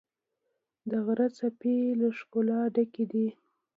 د غره څپې له ښکلا ډکې دي.